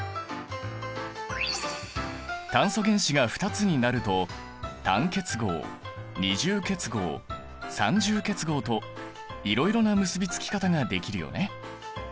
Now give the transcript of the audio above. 炭素原子が２つになると単結合二重結合三重結合といろいろな結び付き方ができるよね。